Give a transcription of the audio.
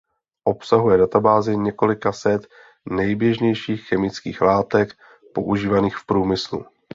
Obsahuje databázi několika set nejběžnějších chemických látek používaných v průmyslu.